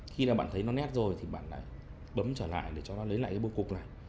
khi là bạn thấy nó nét rồi thì bạn lại bấm trở lại để cho nó lấy lại cái bưu cục này